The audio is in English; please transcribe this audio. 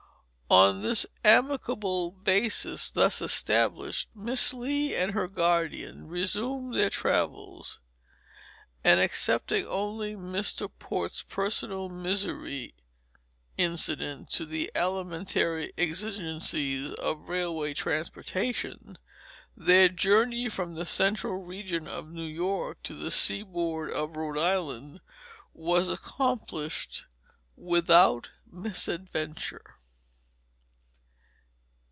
On the amicable basis thus established, Miss Lee and her guardian resumed their travels; and, excepting only Mr. Port's personal misery incident to the alimentary exigencies of railway transportation, their journey from the central region of New York to the seaboard of Rhode Island was accomplished without misadventure.